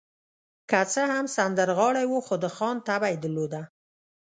که څه هم سندرغاړی و، خو د خان طبع يې درلوده.